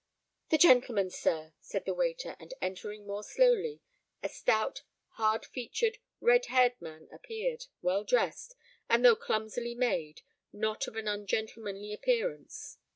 "The gentleman, sir," said the waiter; and entering more slowly, a stout, hard featured, red haired man appeared, well dressed, and though clumsily made, not of an ungentlemanly appearance.